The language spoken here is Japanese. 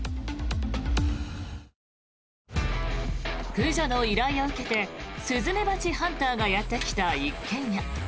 駆除の依頼を受けてスズメバチハンターがやってきた一軒家。